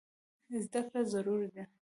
زده کړه ضروري ده.